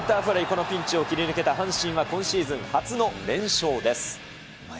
このピンチを切り抜けた阪神は、今シーズン初の連勝です。